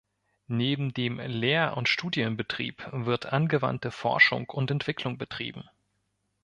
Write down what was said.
Neben dem Lehr- und Studienbetrieb wird angewandte Forschung und Entwicklung betrieben.